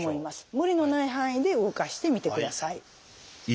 無理のない範囲で動かしてみてください。